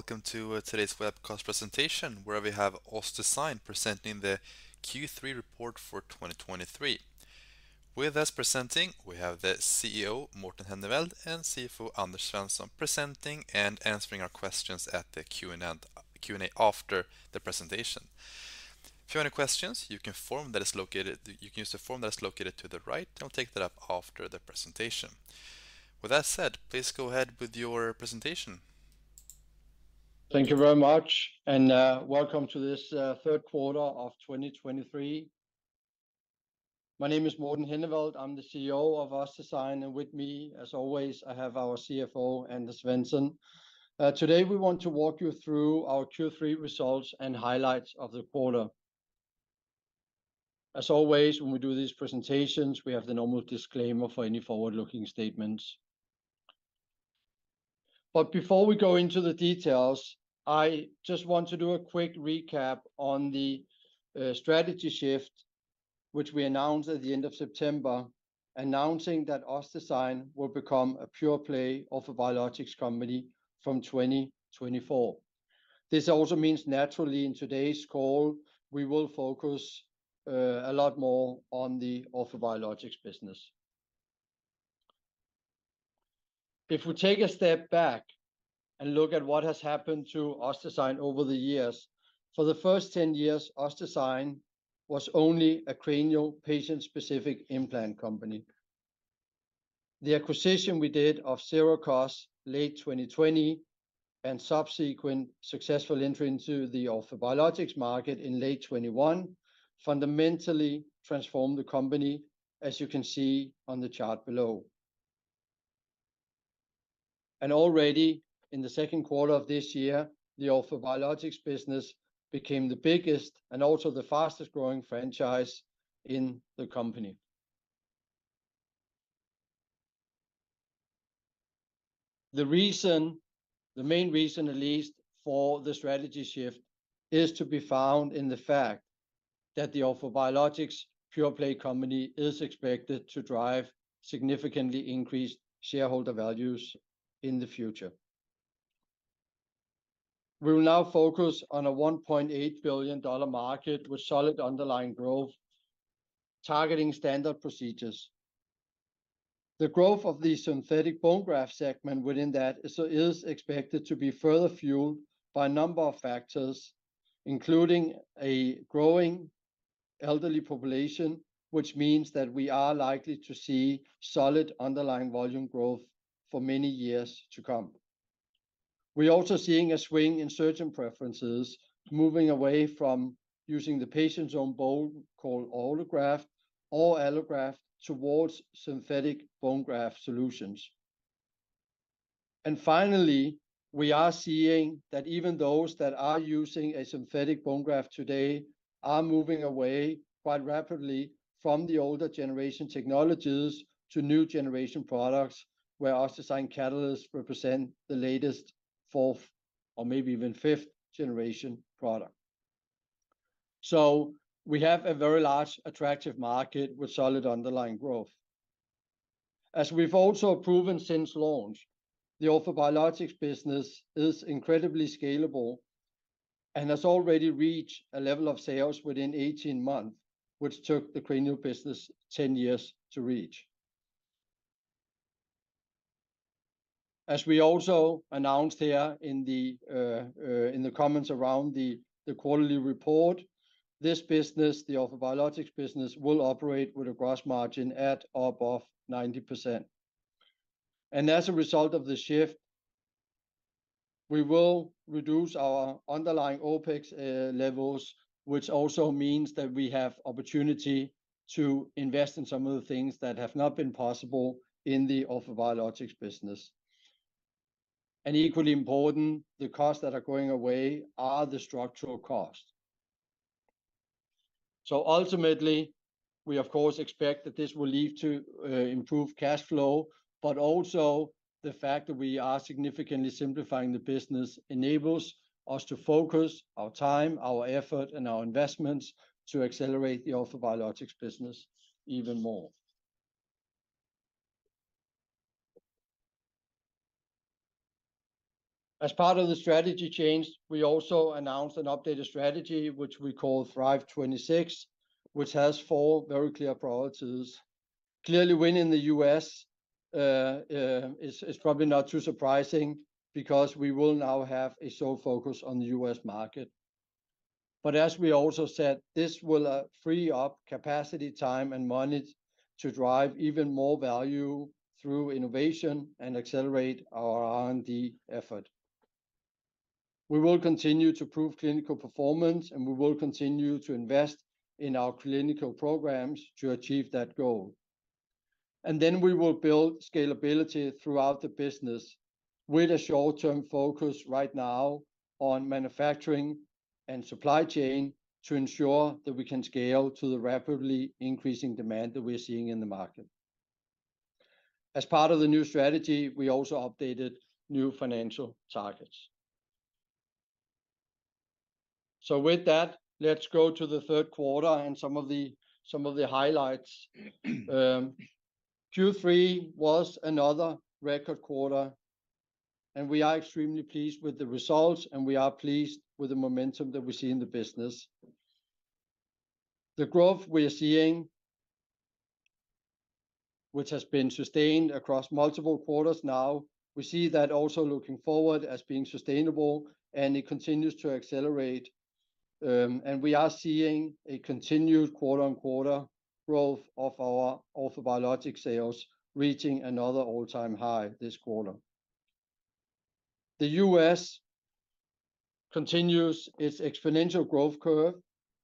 Hello, and welcome to today's webcast presentation, where we have OssDsign presenting the Q3 report for 2023. With us presenting, we have the CEO, Morten Henneveld, and CFO, Anders Svensson, presenting and answering our questions at the Q&A, Q&A after the presentation. If you have any questions, you can use the form that is located to the right, and I'll take that up after the presentation. With that said, please go ahead with your presentation. Thank you very much, and, welcome to this third quarter of 2023. My name is Morten Henneveld. I'm the CEO of OssDsign, and with me, as always, I have our CFO, Anders Svensson. Today, we want to walk you through our Q3 results and highlights of the quarter. As always, when we do these presentations, we have the normal disclaimer for any forward-looking statements. But before we go into the details, I just want to do a quick recap on the strategy shift, which we announced at the end of September, announcing that OssDsign will become a pure-play orthobiologics company from 2024. This also means naturally, in today's call, we will focus a lot more on the orthobiologics business. If we take a step back and look at what has happened to OssDsign over the years, for the first 10 years, OssDsign was only a cranial patient-specific implant company. The acquisition we did of Sirakoss late 2020 and subsequent successful entry into the orthobiologics market in late 2021, fundamentally transformed the company, as you can see on the chart below. Already in the second quarter of this year, the orthobiologics business became the biggest and also the fastest-growing franchise in the company. The reason, the main reason, at least for the strategy shift, is to be found in the fact that the orthobiologics pure-play company is expected to drive significantly increased shareholder values in the future. We will now focus on a $1.8 billion market with solid underlying growth, targeting standard procedures. The growth of the synthetic bone graft segment within that is expected to be further fueled by a number of factors, including a growing elderly population, which means that we are likely to see solid underlying volume growth for many years to come. We're also seeing a swing in surgeon preferences, moving away from using the patient's own bone, called autograft or autograft, towards synthetic bone graft solutions. And finally, we are seeing that even those that are using a synthetic bone graft today are moving away quite rapidly from the older generation technologies to new generation products, where OssDsign Catalyst represents the latest fourth or maybe even fifth generation product. So we have a very large, attractive market with solid underlying growth. As we've also proven since launch, the orthobiologics business is incredibly scalable and has already reached a level of sales within 18 months, which took the cranial business 10 years to reach. As we also announced here in the comments around the quarterly report, this business, the orthobiologics business, will operate with a gross margin at or above 90%. And as a result of the shift, we will reduce our underlying OpEx levels, which also means that we have opportunity to invest in some of the things that have not been possible in the orthobiologics business. And equally important, the costs that are going away are the structural costs. So ultimately, we of course expect that this will lead to improved cash flow, but also the fact that we are significantly simplifying the business enables us to focus our time, our effort, and our investments to accelerate the orthobiologics business even more. As part of the strategy change, we also announced an updated strategy, which we call Thrive 2026, which has four very clear priorities. Clearly, winning the U.S. is probably not too surprising because we will now have a sole focus on the U.S. market. But as we also said, this will free up capacity, time, and money to drive even more value through innovation and accelerate our R&D effort. We will continue to prove clinical performance, and we will continue to invest in our clinical programs to achieve that goal. Then we will build scalability throughout the business with a short-term focus right now on manufacturing and supply chain to ensure that we can scale to the rapidly increasing demand that we're seeing in the market. As part of the new strategy, we also updated new financial targets. So with that, let's go to the third quarter and some of the highlights. Q3 was another record quarter, and we are extremely pleased with the results, and we are pleased with the momentum that we see in the business. The growth we are seeing, which has been sustained across multiple quarters now, we see that also looking forward as being sustainable, and it continues to accelerate. And we are seeing a continued quarter-on-quarter growth of our orthobiologics sales, reaching another all-time high this quarter. The U.S. continues its exponential growth curve,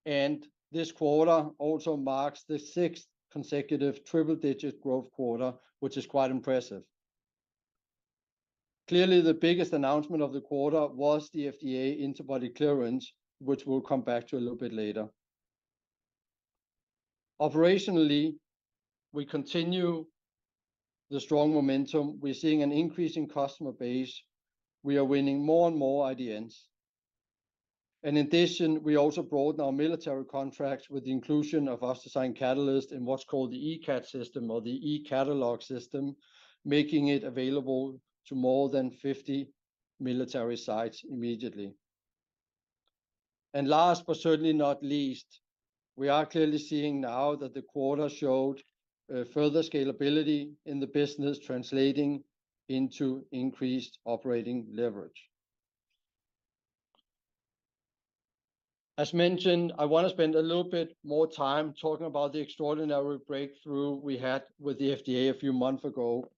and this quarter also marks the sixth consecutive triple-digit growth quarter, which is quite impressive. Clearly, the biggest announcement of the quarter was the FDA interbody clearance, which we'll come back to a little bit later. Operationally, we continue the strong momentum. We're seeing an increase in customer base. We are winning more and more IDNs. And in addition, we also broadened our military contracts with the inclusion of OssDsign Catalyst in what's called the ECAT system or the e-catalog system, making it available to more than 50 military sites immediately. And last, but certainly not least, we are clearly seeing now that the quarter showed further scalability in the business, translating into increased operating leverage. As mentioned, I want to spend a little bit more time talking about the extraordinary breakthrough we had with the FDA a few months ago,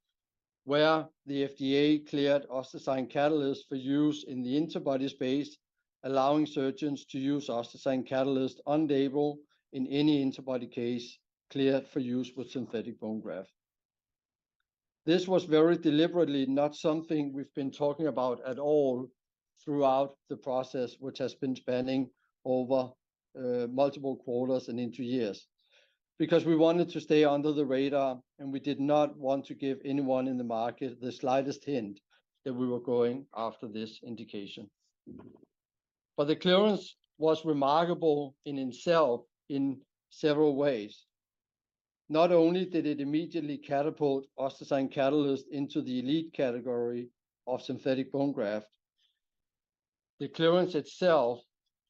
where the FDA cleared OssDsign Catalyst for use in the interbody space, allowing surgeons to use OssDsign Catalyst on-label in any interbody case cleared for use with synthetic bone graft. This was very deliberately not something we've been talking about at all throughout the process, which has been spanning over multiple quarters and into years, because we wanted to stay under the radar, and we did not want to give anyone in the market the slightest hint that we were going after this indication. But the clearance was remarkable in itself in several ways. Not only did it immediately catapult OssDsign Catalyst into the elite category of synthetic bone graft, the clearance itself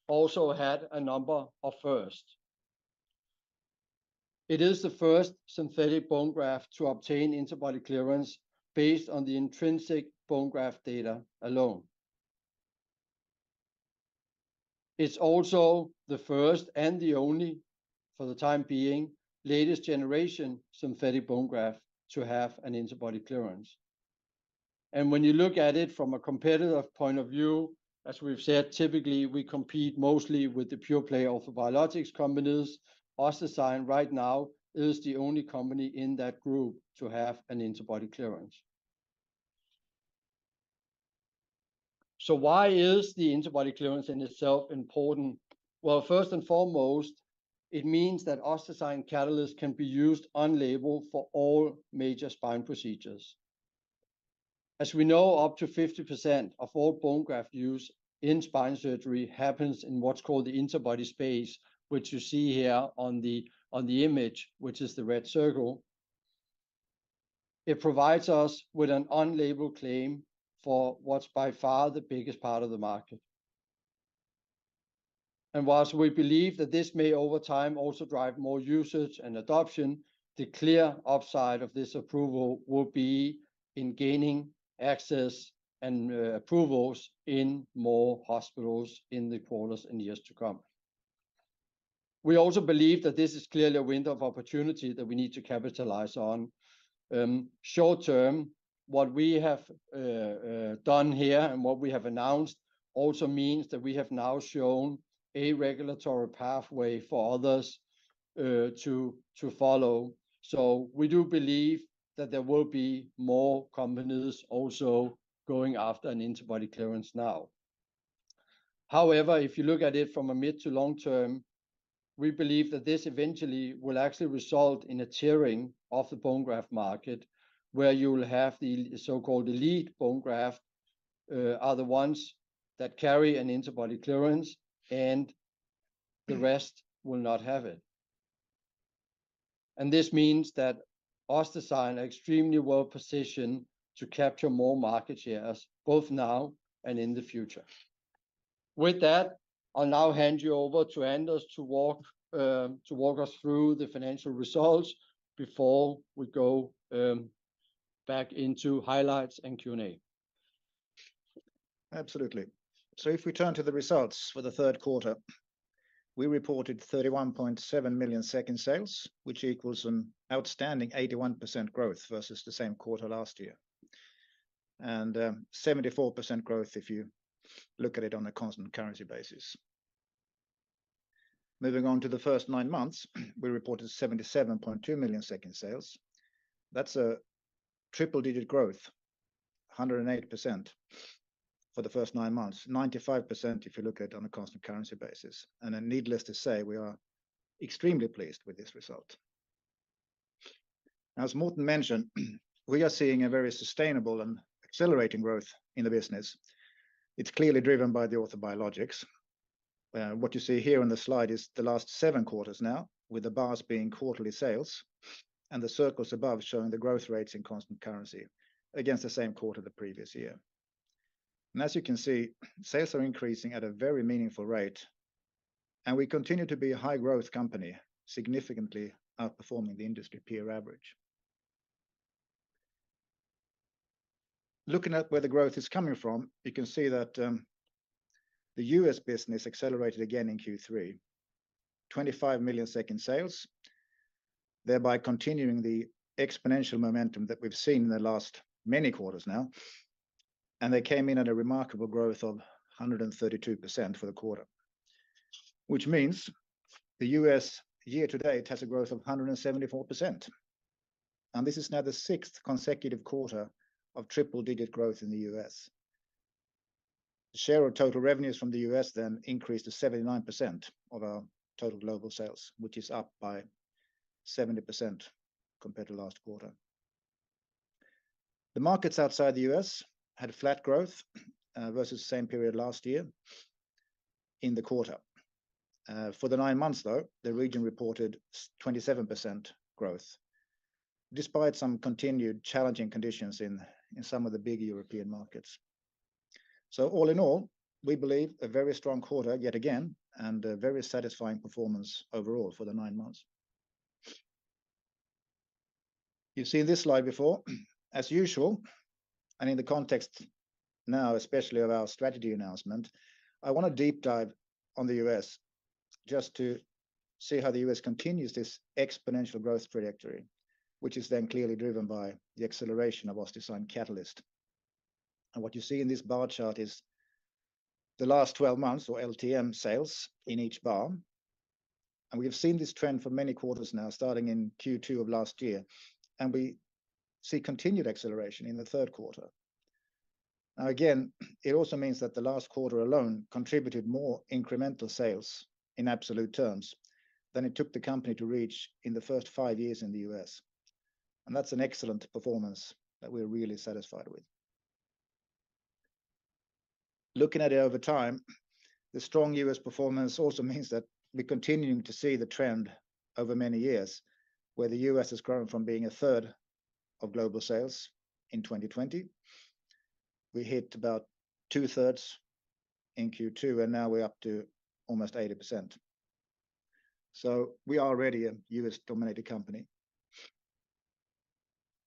also had a number of firsts. It is the first synthetic bone graft to obtain interbody clearance based on the intrinsic bone graft data alone. It's also the first, and the only for the time being, latest generation synthetic bone graft to have an interbody clearance. And when you look at it from a competitive point of view, as we've said, typically, we compete mostly with the pure-play orthobiologics companies. OssDsign right now is the only company in that group to have an interbody clearance. So why is the interbody clearance in itself important? Well, first and foremost, it means that OssDsign Catalyst can be used on-label for all major spine procedures. As we know, up to 50% of all bone graft use in spine surgery happens in what's called the interbody space, which you see here on the image, which is the red circle. It provides us with an on-label claim for what's by far the biggest part of the market. And while we believe that this may, over time, also drive more usage and adoption, the clear upside of this approval will be in gaining access and approvals in more hospitals in the quarters and years to come. We also believe that this is clearly a window of opportunity that we need to capitalize on. Short term, what we have done here and what we have announced also means that we have now shown a regulatory pathway for others to follow. So we do believe that there will be more companies also going after an interbody clearance now. However, if you look at it from a mid to long term, we believe that this eventually will actually result in a tiering of the bone graft market, where you will have the so-called elite bone graft, are the ones that carry an interbody clearance, and the rest will not have it. This means that OssDsign are extremely well positioned to capture more market shares, both now and in the future. With that, I'll now hand you over to Anders to walk us through the financial results before we go back into highlights and Q&A. Absolutely. So if we turn to the results for the third quarter, we reported 31.7 million sales, which equals an outstanding 81% growth versus the same quarter last year, and seventy-four percent growth if you look at it on a constant currency basis. Moving on to the first nine months, we reported 77.2 million sales. That's a triple-digit growth, 108% for the first nine months. 95%, if you look at it on a constant currency basis. Then needless to say, we are extremely pleased with this result. As Morten mentioned, we are seeing a very sustainable and accelerating growth in the business. It's clearly driven by the orthobiologics. What you see here on the slide is the last 7 quarters now, with the bars being quarterly sales and the circles above showing the growth rates in constant currency against the same quarter the previous year. As you can see, sales are increasing at a very meaningful rate, and we continue to be a high growth company, significantly outperforming the industry peer average. Looking at where the growth is coming from, you can see that the U.S. business accelerated again in Q3. 25 million in sales, thereby continuing the exponential momentum that we've seen in the last many quarters now, and they came in at a remarkable growth of 132% for the quarter. Which means the U.S. year to date has a growth of 174%, and this is now the sixth consecutive quarter of triple digit growth in the U.S. The share of total revenues from the U.S. then increased to 79% of our total global sales, which is up by 70% compared to last quarter. The markets outside the U.S. had a flat growth versus the same period last year in the quarter. For the nine months, though, the region reported 27% growth, despite some continued challenging conditions in some of the big European markets. So all in all, we believe a very strong quarter yet again, and a very satisfying performance overall for the nine months. You've seen this slide before. As usual, and in the context now especially of our strategy announcement, I want to deep dive on the U.S. just to see how the U.S. continues this exponential growth trajectory, which is then clearly driven by the acceleration of OssDsign Catalyst. What you see in this bar chart is the last 12 months, or LTM, sales in each bar. We've seen this trend for many quarters now, starting in Q2 of last year, and we see continued acceleration in the third quarter. Now, again, it also means that the last quarter alone contributed more incremental sales, in absolute terms, than it took the company to reach in the first 5 years in the U.S., and that's an excellent performance that we're really satisfied with. Looking at it over time, the strong U.S. performance also means that we're continuing to see the trend over many years, where the U.S. has grown from being a third of global sales in 2020. We hit about two thirds in Q2, and now we're up to almost 80%. So we are already a U.S.-dominated company.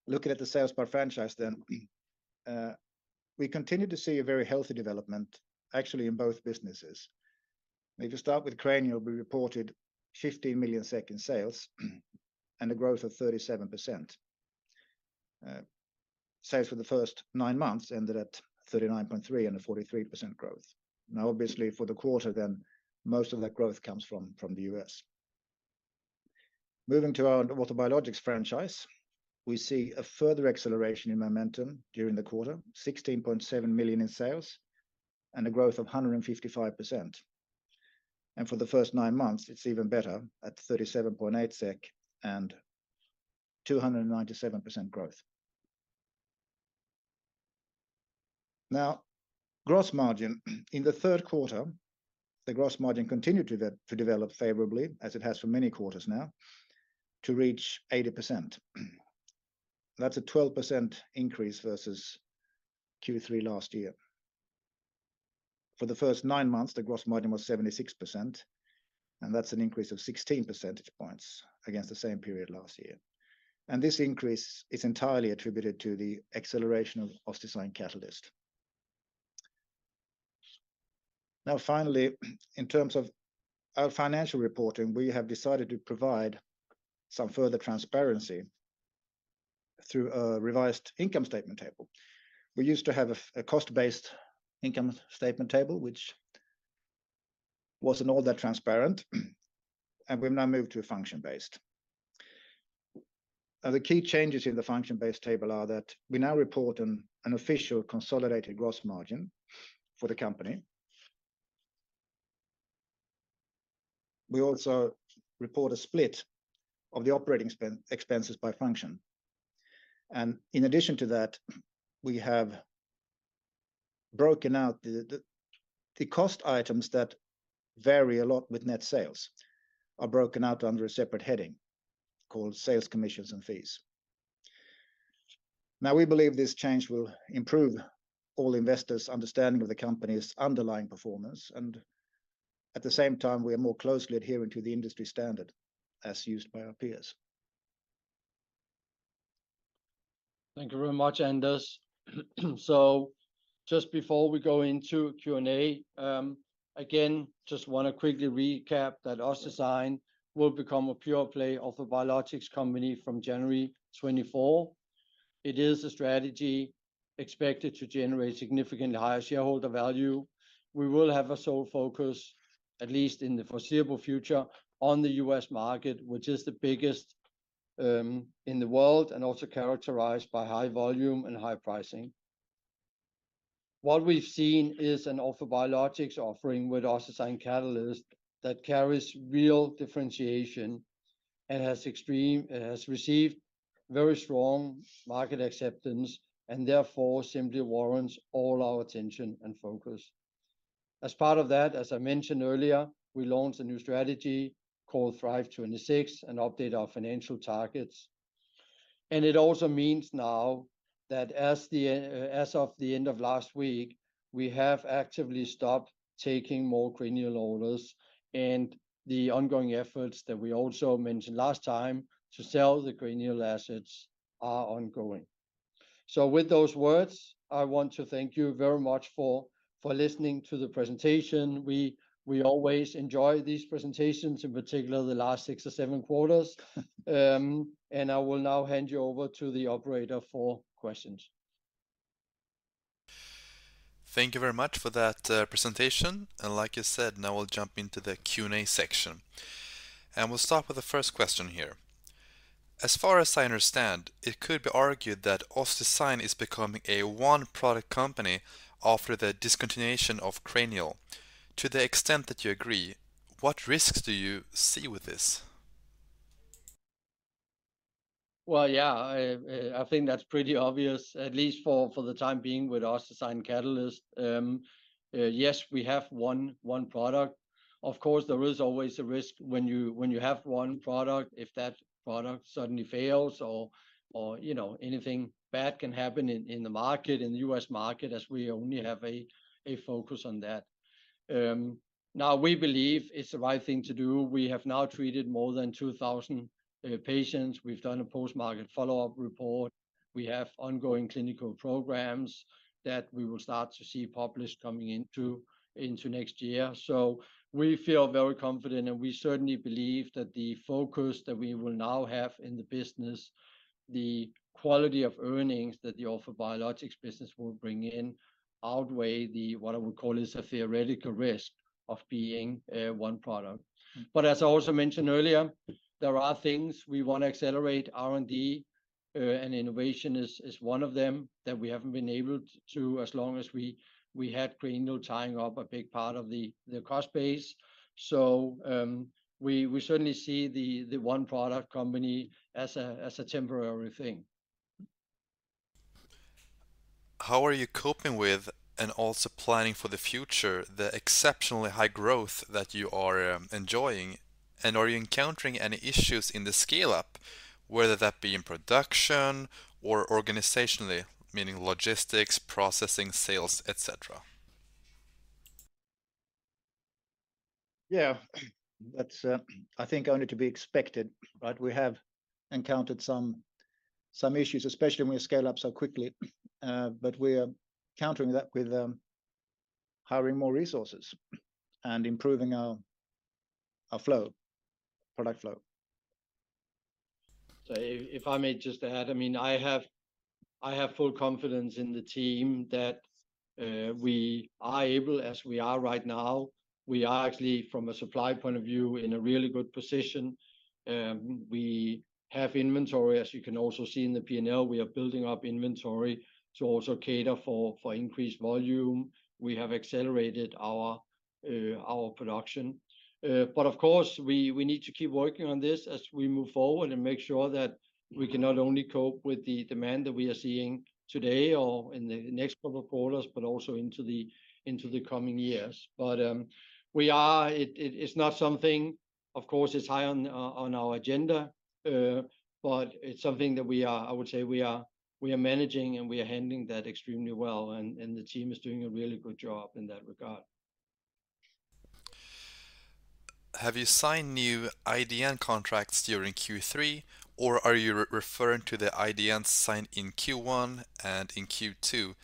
Looking at the sales by franchise then, we continue to see a very healthy development actually in both businesses. If you start with Cranial, we reported 15 million in sales, and a growth of 37%. Sales for the first nine months ended at 39.3 million SEK and a 43% growth. Now, obviously, for the quarter then, most of that growth comes from the U.S. Moving to our Orthobiologics franchise, we see a further acceleration in momentum during the quarter, 16.7 million in sales and a growth of 155%. For the first nine months, it's even better at 37.8 million SEK and 297% growth. Now, gross margin. In the third quarter, the gross margin continued to develop favorably, as it has for many quarters now, to reach 80%. That's a 12% increase versus Q3 last year. For the first nine months, the gross margin was 76%, and that's an increase of 16 percentage points against the same period last year. And this increase is entirely attributed to the acceleration of OssDsign Catalyst. Now, finally, in terms of our financial reporting, we have decided to provide some further transparency through a revised income statement table. We used to have a cost-based income statement table, which wasn't all that transparent, and we've now moved to a function-based. The key changes in the function-based table are that we now report an official consolidated gross margin for the company. We also report a split of the operating spend expenses by function, and in addition to that, we have broken out the cost items that vary a lot with net sales under a separate heading called Sales Commissions and Fees. Now, we believe this change will improve all investors' understanding of the company's underlying performance, and at the same time, we are more closely adhering to the industry standard as used by our peers. Thank you very much, Anders. So just before we go into Q&A, again, just want to quickly recap that OssDsign will become a pure-play orthobiologics company from January 2024. It is a strategy expected to generate significantly higher shareholder value. We will have a sole focus, at least in the foreseeable future, on the U.S. market, which is the biggest in the world, and also characterized by high volume and high pricing. What we've seen is an OssDsign biologics offering with OssDsign Catalyst that carries real differentiation and has received very strong market acceptance, and therefore simply warrants all our attention and focus. As part of that, as I mentioned earlier, we launched a new strategy called Thrive 2026, and updated our financial targets. And it also means now that as of the end of last week, we have actively stopped taking more cranial orders, and the ongoing efforts that we also mentioned last time to sell the cranial assets are ongoing. So with those words, I want to thank you very much for listening to the presentation. We always enjoy these presentations, in particular the last six or seven quarters. And I will now hand you over to the operator for questions. Thank you very much for that presentation. Like you said, now we'll jump into the Q&A section. We'll start with the first question here. As far as I understand, it could be argued that OssDsign is becoming a one-product company after the discontinuation of Cranial. To the extent that you agree, what risks do you see with this? Well, yeah, I think that's pretty obvious, at least for the time being, with OssDsign Catalyst. Yes, we have one product. Of course, there is always a risk when you have one product, if that product suddenly fails or, you know, anything bad can happen in the market, in the U.S. market, as we only have a focus on that. Now we believe it's the right thing to do. We have now treated more than 2,000 patients. We've done a post-market follow-up report. We have ongoing clinical programs that we will start to see published coming into next year. So we feel very confident, and we certainly believe that the focus that we will now have in the business, the quality of earnings that the orthobiologics business will bring in, outweigh the, what I would call is a theoretical risk of being one product. But as I also mentioned earlier, there are things we want to accelerate. R&D and innovation is one of them that we haven't been able to, as long as we had cranial tying up a big part of the cost base. So we certainly see the one-product company as a temporary thing. How are you coping with and also planning for the future, the exceptionally high growth that you are enjoying? Are you encountering any issues in the scale-up, whether that be in production or organizationally, meaning logistics, processing, sales, et cetera? Yeah, that's, I think only to be expected, right? We have encountered some issues, especially when we scale up so quickly. But we are countering that with hiring more resources and improving our flow, product flow. So, if I may just add, I mean, I have full confidence in the team that we are able, as we are right now, we are actually, from a supply point of view, in a really good position. We have inventory, as you can also see in the P&L. We are building up inventory to also cater for increased volume. We have accelerated our production. But of course, we need to keep working on this as we move forward and make sure that we can not only cope with the demand that we are seeing today or in the next couple of quarters, but also into the coming years. But we are... It's not something, of course, it's high on our agenda, but it's something that we are, I would say, managing, and we are handling that extremely well, and the team is doing a really good job in that regard. Have you signed new IDN contracts during Q3, or are you referring to the IDNs signed in Q1 and in Q2?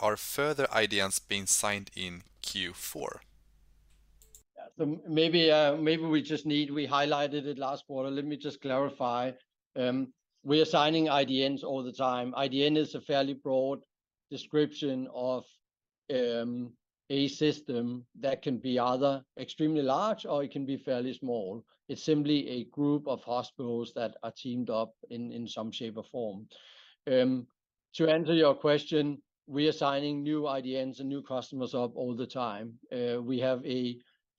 Are further IDNs being signed in Q4? Yeah. We highlighted it last quarter. Let me just clarify. We are signing IDNs all the time. IDN is a fairly broad description of a system that can be either extremely large or it can be fairly small. It's simply a group of hospitals that are teamed up in some shape or form. To answer your question, we are signing new IDNs and new customers up all the time. We have a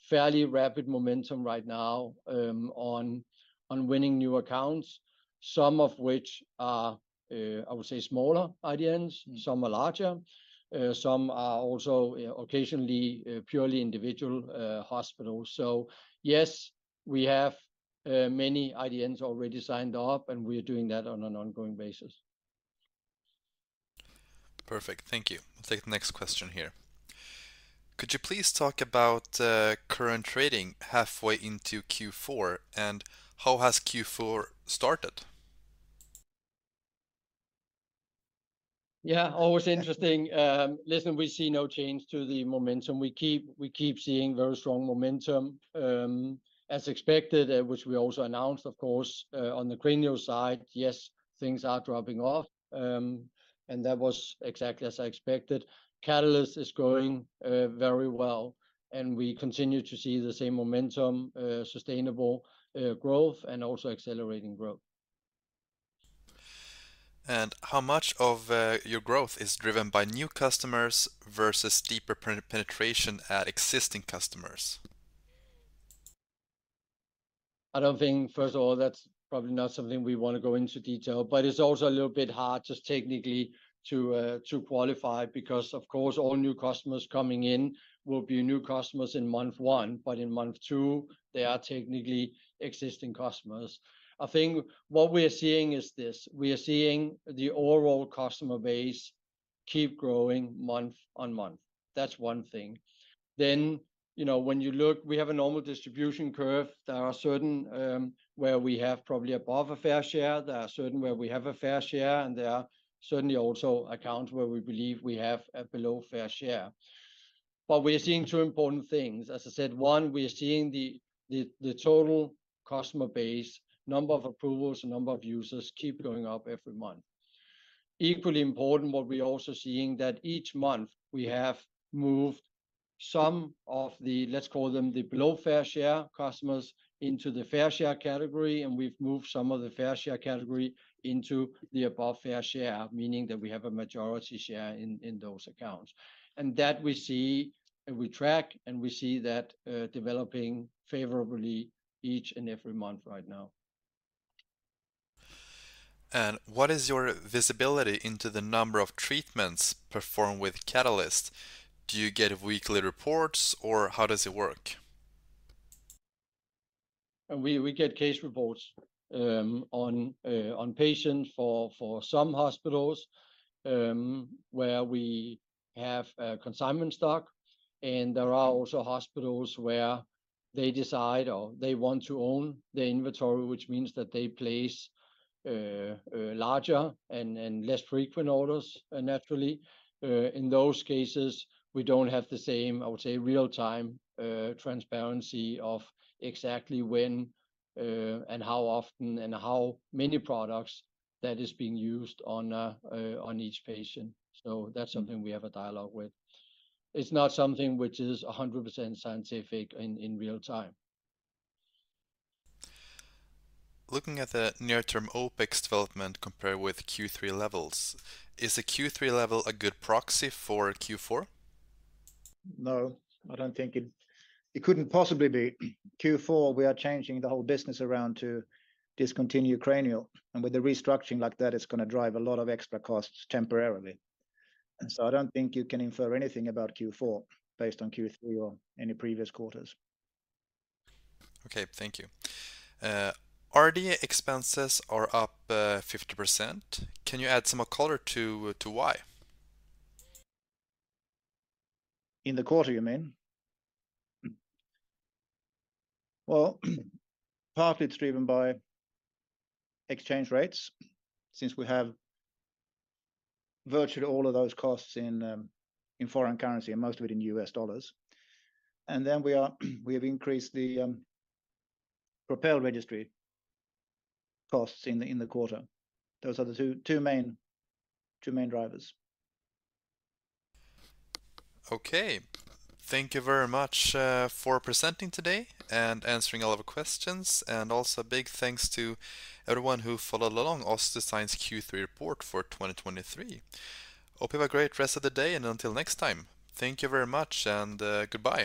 fairly rapid momentum right now on winning new accounts, some of which are, I would say, smaller IDNs, some are larger, some are also occasionally purely individual hospitals. Yes, we have many IDNs already signed up, and we are doing that on an ongoing basis. Perfect. Thank you. I'll take the next question here. Could you please talk about, current trading halfway into Q4, and how has Q4 started? Yeah, always interesting. Listen, we see no change to the momentum. We keep, we keep seeing very strong momentum. As expected, which we also announced, of course, on the cranial side, yes, things are dropping off. And that was exactly as I expected. Catalyst is growing very well, and we continue to see the same momentum, sustainable growth and also accelerating growth. And how much of your growth is driven by new customers versus deeper penetration at existing customers? I don't think, first of all, that's probably not something we want to go into detail, but it's also a little bit hard just technically to qualify, because, of course, all new customers coming in will be new customers in month one, but in month two, they are technically existing customers. I think what we are seeing is this: we are seeing the overall customer base keep growing month-on-month. That's one thing. Then, you know, when you look, we have a normal distribution curve. There are certain where we have probably above a fair share, there are certain where we have a fair share, and there are certainly also accounts where we believe we have a below fair share. But we are seeing two important things. As I said, 1, we are seeing the total customer base, number of approvals, and number of users keep going up every month. Equally important, what we are also seeing that each month we have moved some of the, let's call them the below fair share customers into the fair share category, and we've moved some of the fair share category into the above fair share, meaning that we have a majority share in those accounts. And that we see, and we track, and we see that developing favorably each and every month right now. What is your visibility into the number of treatments performed with Catalyst? Do you get weekly reports, or how does it work? We get case reports on patients for some hospitals where we have a consignment stock, and there are also hospitals where they decide or they want to own the inventory, which means that they place larger and less frequent orders, naturally. In those cases, we don't have the same, I would say, real-time transparency of exactly when and how often and how many products that is being used on each patient. So that's something we have a dialogue with. It's not something which is 100% scientific in real time. Looking at the near-term OpEx development compared with Q3 levels, is the Q3 level a good proxy for Q4? No, I don't think it. It couldn't possibly be. Q4, we are changing the whole business around to discontinue cranial, and with a restructuring like that, it's gonna drive a lot of extra costs temporarily. And so I don't think you can infer anything about Q4 based on Q3 or any previous quarters. Okay, thank you. RDA expenses are up 50%. Can you add some more color to why? In the quarter, you mean? Mm-hmm. Well, partly it's driven by exchange rates, since we have virtually all of those costs in foreign currency, and most of it in U.S. dollars. And then we have increased the PROPEL registry costs in the quarter. Those are the two main drivers. Okay. Thank you very much for presenting today and answering all of our questions. And also a big thanks to everyone who followed along OssDsign's Q3 report for 2023. Hope you have a great rest of the day, and until next time, thank you very much, and goodbye.